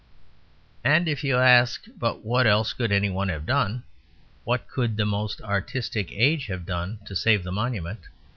And if you ask, "But what else could any one have done, what could the most artistic age have done to save the monument?"